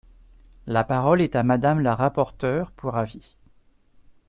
La parole est à Madame la rapporteure pour avis.